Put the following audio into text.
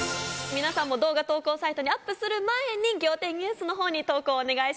皆さんも動画投稿サイトにアップする前に『仰天ニュース』のほうに投稿お願いします。